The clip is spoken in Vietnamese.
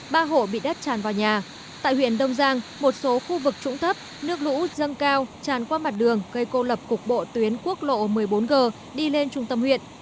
ba hộ bị đất tràn vào nhà tại huyện đông giang một số khu vực trũng thấp nước lũ dâng cao tràn qua mặt đường gây cô lập cục bộ tuyến quốc lộ một mươi bốn g đi lên trung tâm huyện